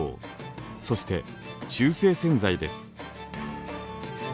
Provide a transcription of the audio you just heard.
そして中性洗剤です。